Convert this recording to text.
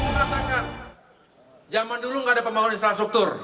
ada yang mengatakan zaman dulu tidak ada pembangunan infrastruktur